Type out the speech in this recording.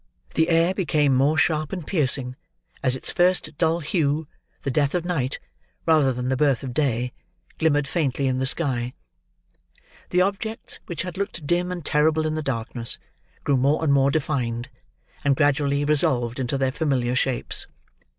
The air become more sharp and piercing, as its first dull hue—the death of night, rather than the birth of day—glimmered faintly in the sky. The objects which had looked dim and terrible in the darkness, grew more and more defined, and gradually resolved into their familiar shapes.